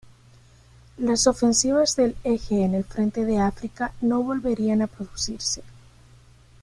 Las ofensivas del Eje en el frente de África no volverían a producirse.